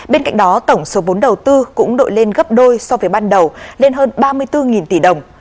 bên cạnh đó tổng số vốn đầu tư cũng đội lên gấp đôi so với ban đầu lên hơn ba mươi bốn tỷ đồng